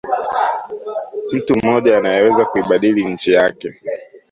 Mtu mmoja anaweza kuibadili nchi yake